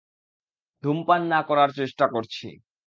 ধূমপান না করার চেষ্টা করছি।